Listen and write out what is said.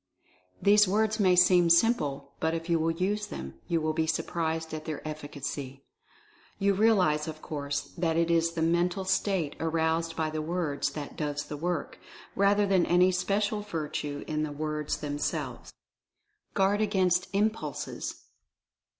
These words may seem simple, but if you will use them you will be surprised at their effi cacy. You realize, of course, that it is the Mental State aroused by the words, that "does the work," 248 Mental Fascination rather than any special virtue in the words them selves. GUARD AGAINST "IMPULSES."